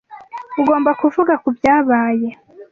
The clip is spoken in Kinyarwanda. Ugomba kuvuga kubyabaye.